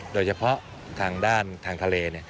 โดยเฉพาะทางด้านทางทะเล